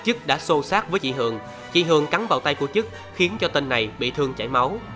chức đã xô sát với chị hường chị hương cắn vào tay của chức khiến cho tên này bị thương chảy máu